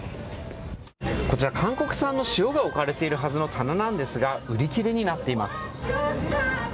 こちら、韓国産の塩が置かれているはずの棚なんですが、売り切れとなっています。